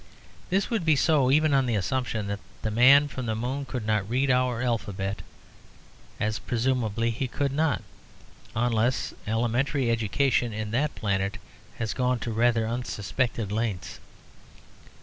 This would be so even on the assumption that the man from the moon could not read our alphabet, as presumably he could not, unless elementary education in that planet has gone to rather unsuspected lengths.